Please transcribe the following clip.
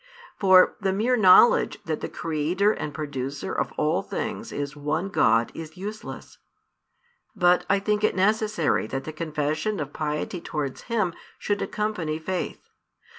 For the mere knowledge that the Creator and Producer of all things is One God is useless. But I think it necessary that the confession of piety towards Him should accompany faith.